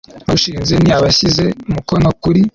bawushinze ni abashyize umukono kuri